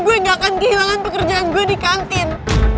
gue gak akan kehilangan pekerjaan gue di kantin